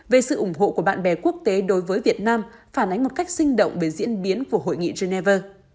về sự ủng hộ của bạn bè quốc tế đối với việt nam phản ánh một cách sinh động về diễn biến của hội nghị geneva